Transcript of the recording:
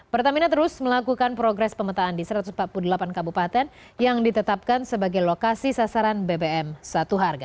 pertamina terus melakukan progres pemetaan di satu ratus empat puluh delapan kabupaten yang ditetapkan sebagai lokasi sasaran bbm satu harga